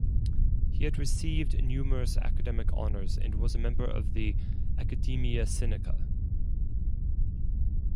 He had received numerous academic honors and was a member of the Academia Sinica.